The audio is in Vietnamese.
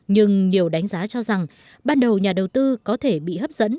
nhưng nhiều đánh giá cho rằng ban đầu nhà đầu tư có thể bị hấp dẫn